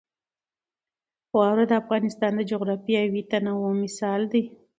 واوره د افغانستان د جغرافیوي تنوع مثال دی.